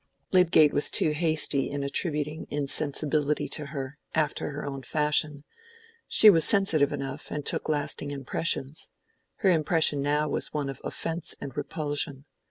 Lydgate was too hasty in attributing insensibility to her; after her own fashion, she was sensitive enough, and took lasting impressions. Her impression now was one of offence and repulsion.